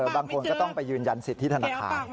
บางคนก็ต้องไปยืนยันสิทธิธนาคาร